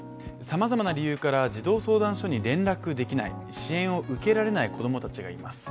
さまざまな理由から児童相談所に連絡できない、支援を受けられない子供たちがいます。